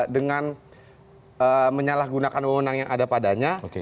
dengan menyalahgunakan wewenang yang ada padanya